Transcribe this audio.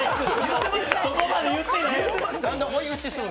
そこまで言ってない！